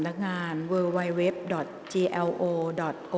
กรรมการท่านที่สามได้แก่กรรมการใหม่เลขหนึ่งค่ะ